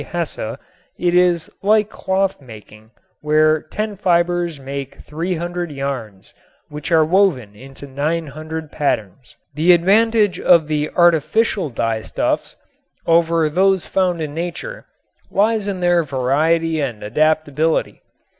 Hesse, it is like cloth making where "ten fibers make 300 yarns which are woven into 900 patterns." The advantage of the artificial dyestuffs over those found in nature lies in their variety and adaptability.